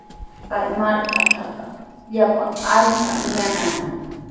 Kay markatrawqa llapan allpa yanami.